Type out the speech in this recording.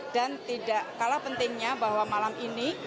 dan tidak kalah pentingnya bahwa malam ini